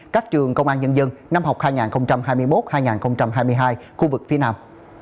các trường công an nhân dân năm học hai nghìn hai mươi một hai nghìn hai mươi hai khu vực phía nam